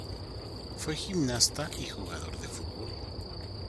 Fue gimnasta y jugador de fútbol.